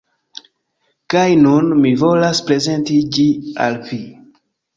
Kaj nun, mi volas prezenti ĝi al vi.